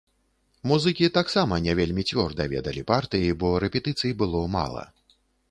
Музыкі таксама не вельмі цвёрда ведалі партыі, бо рэпетыцый было мала.